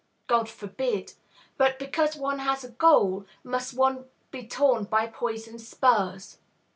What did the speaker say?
God forbid. But, because one has a goal, must one be torn by poisoned spurs?